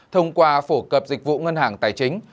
thông qua phổ cập dịch vụ ngân hàng tài chính